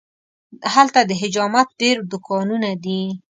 هلته د حجامت ډېر دوکانونه دي.